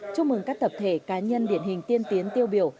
chúc mừng các tập thể cá nhân điển hình tiên tiến tiêu biểu